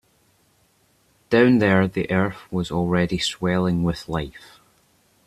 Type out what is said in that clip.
Down there the earth was already swelling with life.